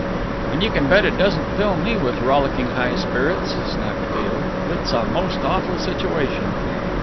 "And you can bet it doesn't fill me with rollicking high spirits," snapped Beale; "it's a most awful situation."